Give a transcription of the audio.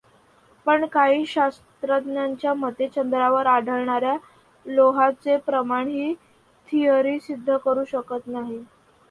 पण काही शास्त्रज्ञांच्या मते चंद्रावर आढळणाऱ्या लोहाचे प्रमाण ही थियरी सिद्ध करू शकत नाही.